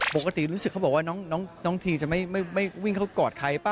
ปกติรู้สึกเขาบอกว่าน้องทีจะไม่วิ่งเข้ากอดใครป่